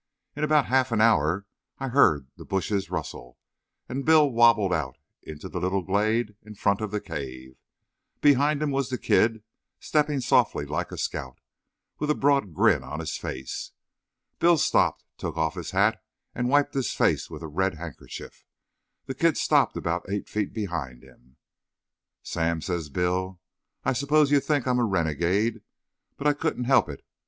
In about half an hour I heard the bushes rustle, and Bill wabbled out into the little glade in front of the cave. Behind him was the kid, stepping softly like a scout, with a broad grin on his face. Bill stopped, took off his hat and wiped his face with a red handkerchief. The kid stopped about eight feet behind him. "Sam," says Bill, "I suppose you'll think I'm a renegade, but I couldn't help it.